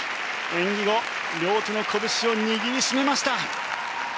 演技後両手のこぶしを握り締めました。